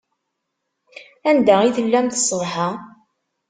Anda i tellamt ṣṣbeḥ-a?